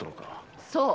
そう！